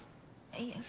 いや。